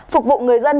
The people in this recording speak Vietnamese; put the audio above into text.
phục vụ người dân